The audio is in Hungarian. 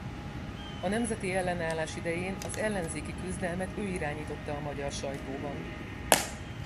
A nemzeti ellenállás idején az ellenzéki küzdelmet ő irányította a magyar sajtóban.